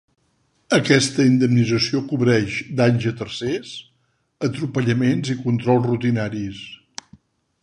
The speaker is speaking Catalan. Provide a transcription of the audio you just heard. Aquesta indemnització cobreix danys a tercers, atropellaments i controls rutinaris.